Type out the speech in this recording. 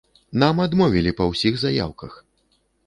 Нам адмовілі па ўсіх заяўках!